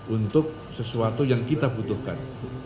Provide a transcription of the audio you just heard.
untuk sesuatu yang kita butuhkan